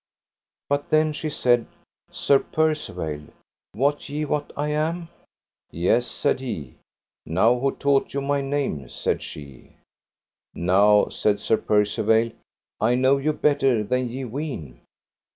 But then she said: Sir Percivale, wot ye what I am? Yea, said he. Now who taught you my name? said she. Now, said Sir Percivale, I know you better than ye ween.